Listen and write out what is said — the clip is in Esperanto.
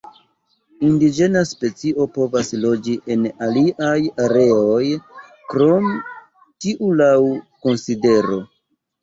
Indiĝena specio povas loĝi en aliaj areoj krom tiu laŭ konsidero.